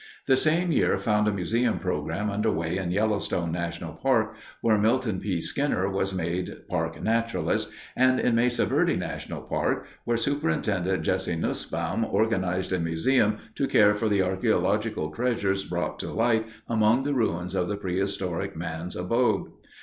The same year found a museum program under way in Yellowstone National Park, where Milton P. Skinner was made park naturalist, and in Mesa Verde National Park, where Superintendent Jesse Nusbaum organized a museum to care for the archeological treasures brought to light among the ruins of prehistoric man's abode.